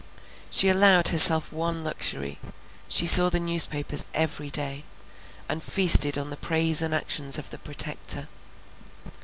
She allowed herself one luxury, she saw the newspapers every day, and feasted on the praise and actions of the Protector.